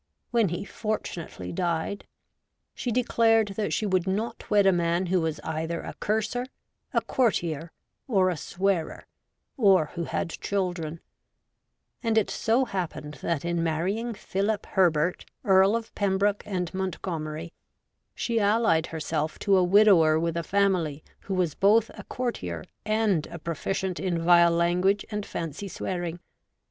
When he fortunately died, she declared that she would not wed a man who was either a curser, a courtier, or a swearer, or who had children ; and it so happened that in marrying Philip Herbert, Earl of Pembroke and Montgomery, she allied herself to a widower with a family, who was both a courtier and a proficient in vile language and fancy swearing.